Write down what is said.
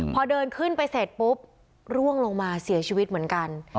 พอเดินขึ้นไปเสร็จปุ๊บร่วงลงมาเสียชีวิตเหมือนกัน